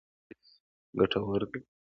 ایا ستاسو وړاندیز ګټور دی؟